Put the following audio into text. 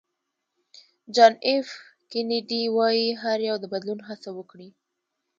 جان اېف کېنیډي وایي هر یو د بدلون هڅه وکړي.